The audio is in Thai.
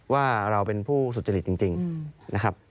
ว่าเราเป็นผู้สุจริตจริงนะครับ